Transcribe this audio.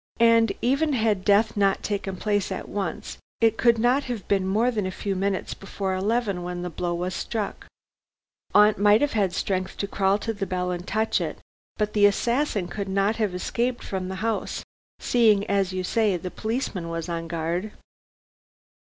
"And even had death not taken place at once, it could not have been more than a few minutes before eleven when the blow was struck. Aunt might have had strength to crawl to the bell and touch it, but the assassin could not have escaped from the house, seeing as you say the policeman was on guard."